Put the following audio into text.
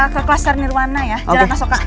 ke kelas sarnirwana ya jalan masoka